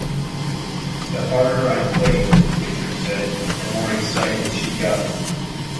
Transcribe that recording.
"The harder I played," Richard said, "the more excited she got.